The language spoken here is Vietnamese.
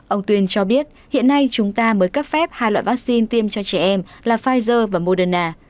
ông tuyên cho biết hiện nay chúng ta mới cấp phép hai loại vaccine tiêm cho trẻ em là pfizer và moderna